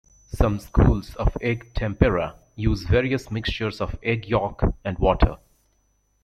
Some schools of egg tempera use various mixtures of egg yolk and water.